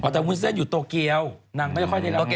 อ๋อแต่วุ้นเซ็นอยู่โตเกียวนางไม่ค่อยได้รับมือ